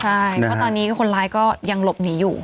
ใช่เพราะตอนนี้คนร้ายก็ยังหลบหนีอยู่